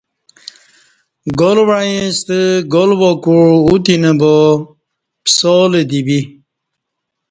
گال وعیں ستہ گال وا کوع اوتینہ با پسالہ دی بی